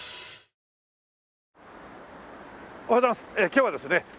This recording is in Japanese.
今日はですね